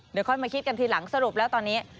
เดี๋ยวค่อยมาคิดกันทีหลังสรุปแล้วตอนนี้